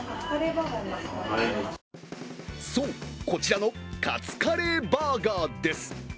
そう、こちらのカツカレーバーガーです。